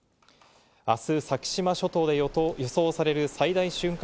あす、先島諸島で予想される最大瞬間